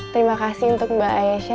terima kasih untuk mbak ayasha